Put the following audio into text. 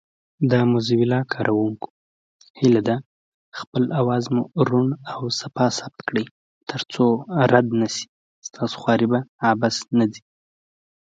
د توتو باغچې کې ځوانانو خوسی کوه.